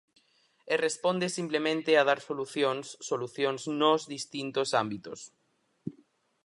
E responde simplemente a dar solucións, solucións nos distintos ámbitos.